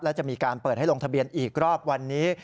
และจะมีการเปิดให้ลงทะเบียนอีกรอบวันนี้